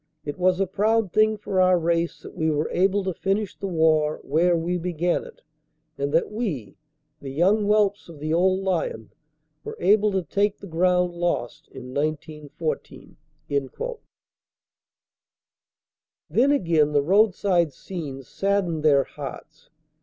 It was a proud thing for our race that we were able to finish the war where we began it, and that we, the young whelps of the old lion, were able to take the ground lost in 1914." Then again the roadside scenes sadden their hearts.